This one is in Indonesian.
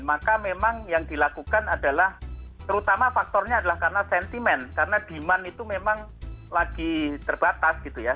maka memang yang dilakukan adalah terutama faktornya adalah karena sentimen karena demand itu memang lagi terbatas gitu ya